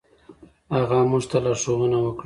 هغه موږ ته لارښوونه وکړه.